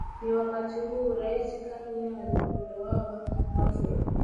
Ni wakati huo Rais Karume alipouawa ghafla